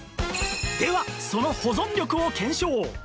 ではその保存力を検証！